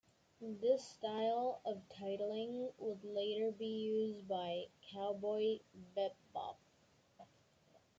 This style of titling would later be used by "Cowboy Bebop".